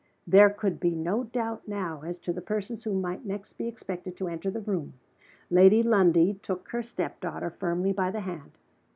There could be no doubt now as to the persons who might next be expected to enter the room. Lady Lundie took her step daughter firmly by the hand.